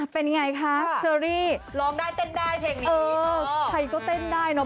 เป็นไงคะเชอรี่ร้องได้เต้นได้เพลงนี้ใครก็เต้นได้เนอะ